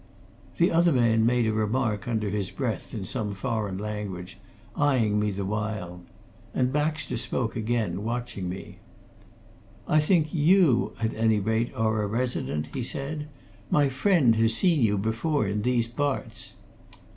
The other man made a remark under his breath, in some foreign language, eyeing me the while. And Baxter spoke again watching me. "I think you, at any rate, are a resident?" he said. "My friend has seen you before in these parts."